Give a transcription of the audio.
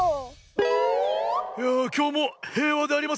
いやあきょうもへいわでありますなあ。